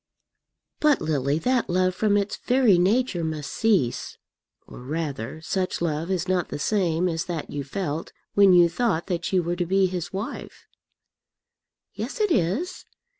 "But, Lily, that love, from its very nature, must cease; or, rather, such love is not the same as that you felt when you thought that you were to be his wife." "Yes, it is.